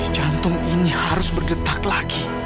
jantung ini harus bergetak lagi